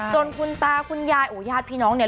จนคุณตาคุณยายโอ้ญาติพี่น้องเนี่ย